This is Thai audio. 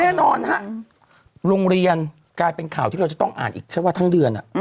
แน่นอนฮะโรงเรียนกลายเป็นข่าวที่เราจะต้องอ่านอีกฉันว่าทั้งเดือน